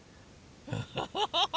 アハハハハ！